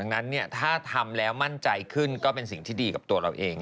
สำหรับทำแล้วมั่นใจก็เป็นสิ่งสุดที่ดีกับตัวเราเอง